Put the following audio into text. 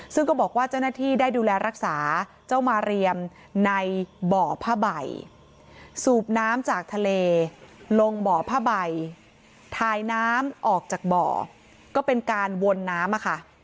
ซึ่งก็บอกว่าเจ้าหน้าที่ได้ดูแลรักษาเจ้ามาเรียมในบ่อผ้าใบสูบน้ำจากทะเลลงบ่อผ้าใบทายน้ำออกจากบ่อก็เป็นการวนน้ำอะค่ะ